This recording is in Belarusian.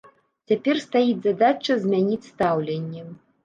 Цяпер стаіць задача змяніць стаўленне.